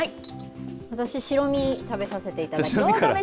私、白身、食べさせていただきます。